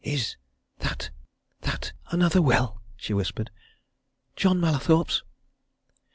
"Is that that another will?" she whispered. "John Mallathorpe's?"